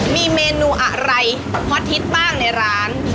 มีเมนูอะไรฮอตฮิตบ้างในร้าน